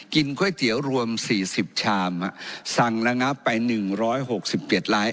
ก๋วยเตี๋ยวรวม๔๐ชามสั่งระงับไป๑๖๗ไลค์